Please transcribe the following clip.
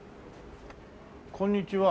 こんにちは。